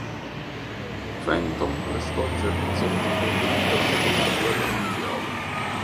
Fenton prestò il servizio attivo durante la seconda guerra mondiale.